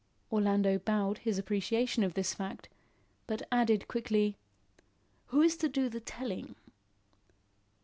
Orlando bowed his appreciation of this fact, but added quickly: "Who is to do the telling?"